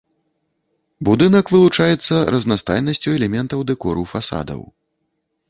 Будынак вылучаецца разнастайнасцю элементаў дэкору фасадаў.